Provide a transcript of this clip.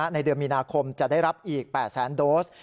ในเดือนมีนาคมจะได้รับอีก๘แสนโดส